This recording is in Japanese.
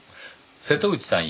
瀬戸内さん